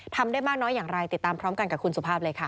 ทำได้มากน้อยอย่างไรติดตามพร้อมกันกับคุณสุภาพเลยค่ะ